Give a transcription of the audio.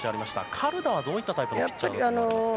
カルダは、どういったタイプのピッチャーだと思われますか？